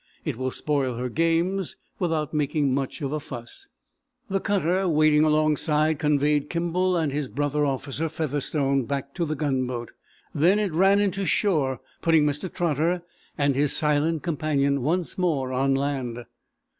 It will spoil her games, without making much of a fuss." The cutter waiting alongside conveyed Kimball and his brother officer, Featherstone, back to the gunboat. Then it ran into shore; putting Mr. Trotter and his silent companion once more on land.